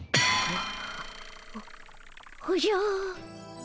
おおじゃ。